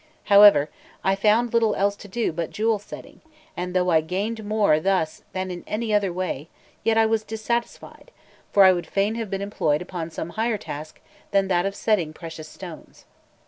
However, I found little else to do but jewel setting; and though I gained more thus than in any other way, yet I was dissatisfied, for I would fain have been employed upon some higher task than that of setting precious stones.